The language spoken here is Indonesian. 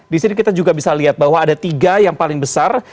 di sini kita juga bisa lihat bahwa ada tiga yang paling besar